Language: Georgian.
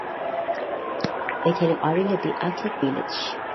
ყვითელი ყვავილები აქვთ მტევან ყვავილედში.